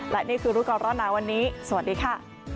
และนี่คือรู้ก่อนร้อนหนาวันนี้สวัสดีค่ะ